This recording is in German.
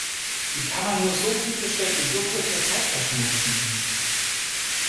Wie kann man nur so viel Besteck in so kurzer Zeit verschmutzen?